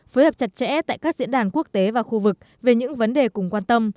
phối hợp chặt chẽ tại các diễn đàn quốc tế và khu vực về những vấn đề cùng quan tâm